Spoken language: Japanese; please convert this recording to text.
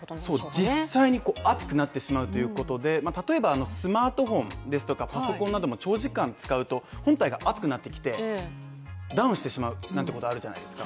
実際に熱くなってしまうということで例えばスマートフォンですとかパソコンなども長時間使うと、本体が熱くなってきて、ダウンしてしまうなんてことあるじゃないですか